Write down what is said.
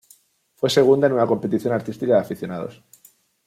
Fue segunda en una competición artística de aficionados.